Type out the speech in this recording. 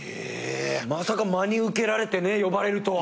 まさか真に受けられてね呼ばれるとは。